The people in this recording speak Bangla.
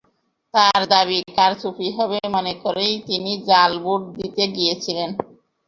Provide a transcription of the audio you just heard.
তাঁর দাবি, কারচুপি হবে মনে করেই তিনি জাল ভোট দিতে গিয়েছিলেন।